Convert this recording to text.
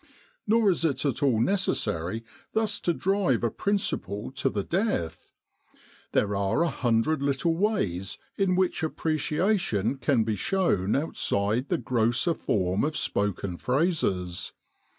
Nor is it at all necessary thus to drive a principle to the death; there are a hundred little ways in which appreciation can be shown outside the grosser form of spoken phrases.